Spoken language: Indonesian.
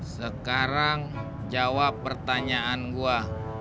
sekarang jawab pertanyaan gua